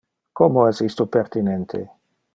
Como es isto pertinente?